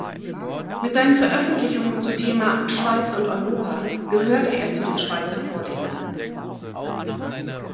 Mit seinen Veröffentlichungen zum Thema "Schweiz und Europa" gehörte er zu den Schweizer Vordenkern.